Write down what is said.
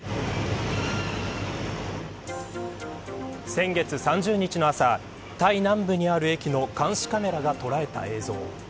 先月、３０日の朝タイ南部にある駅の監視カメラが捉えた映像。